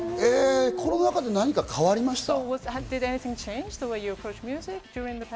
コロナ禍で何か変わりました？